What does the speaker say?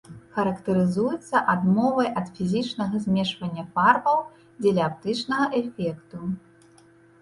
Характарызуецца адмовай ад фізічнага змешвання фарбаў дзеля аптычнага эфекту.